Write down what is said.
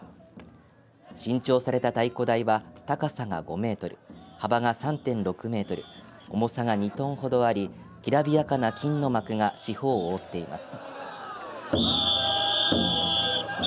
新調された太鼓台は高さが５メートル幅が３．６メートル重さが２トンほどありきらびやかな金の幕が四方を覆っています。